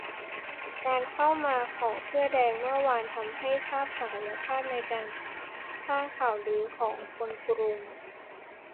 การเข้ามาของเสื้อแดงเมื่อวานทำให้ทราบศักยภาพในการสร้างข่าวลือของคนกรุง